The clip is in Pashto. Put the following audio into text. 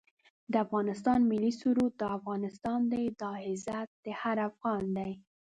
د افغانستان ملي سرود دا افغانستان دی دا عزت هر افغان دی